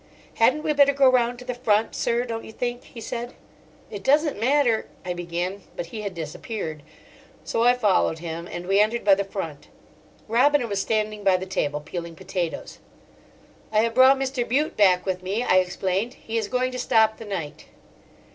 "Hadn't we better go round to the front, sir, don't you think?" he said. "It doesn't matter—" I began. But he had disappeared. So I followed him, and we entered by the front. Robina was standing by the table, peeling potatoes. "I have brought Mr. Bute back with me," I explained. "He is going to stop the night."